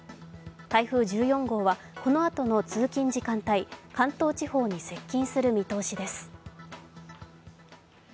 台風１４号はこのあとの通勤時間帯、関東地方に接近する見通しです。